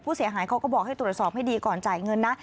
ผู้เสียหายเขาก็บอกให้ตรวจสอบให้ดีก่อนจ่ายเงินนะ